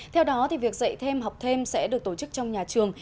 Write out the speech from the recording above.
theo đó việc dạy thêm học thêm sẽ được tổ chức trong nhà trường